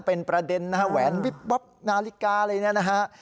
เป็นประเด็นนะครับแหวนวิบวับนาฬิกาอะไรอย่างนี้นะครับ